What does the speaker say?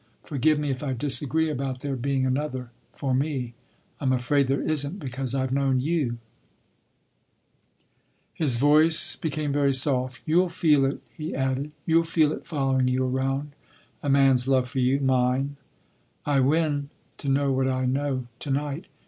Forgive me if I disagree about there being another—for me. I’m afraid there isn’t, because I’ve known you—" His voice became very soft. "You’ll feel it," he added. "You’ll feel it following you around—a man’s love for you—mine. I win—to know what I know to night.